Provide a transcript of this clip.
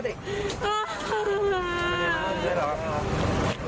ตั้งอาทิติพี่ตั้งอาทิติ